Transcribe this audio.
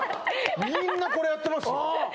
みんなこれやってますよ